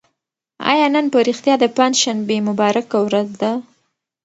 آیا نن په رښتیا د پنجشنبې مبارکه ورځ ده؟